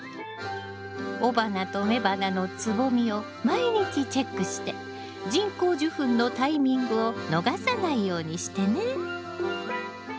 雄花と雌花のつぼみを毎日チェックして人工授粉のタイミングを逃さないようにしてね。